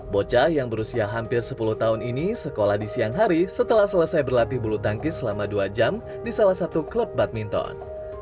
bocah yang berusia hampir sepuluh tahun ini sekolah di siang hari setelah selesai berlatih bulu tangkis selama dua jam di salah satu klub badminton